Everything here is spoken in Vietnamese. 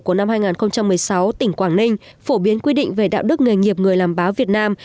của năm hai nghìn một mươi sáu tỉnh quảng ninh phổ biến quy định về đạo đức nghề nghiệp người làm báo việt nam